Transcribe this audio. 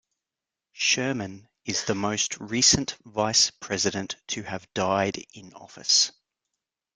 Sherman is the most recent Vice President to have died in office.